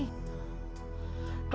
klien kami hanya mempertahankan diri